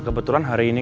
kebetulan hari ini